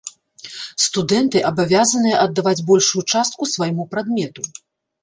Студэнты абавязаныя аддаваць большую частку свайму прадмету.